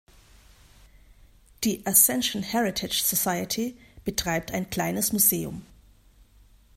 Die "Ascension Heritage Society" betreibt ein kleines Museum.